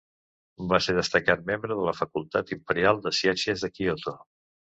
Va ser destacat membre de la Facultat Imperial de Ciències de Kyoto.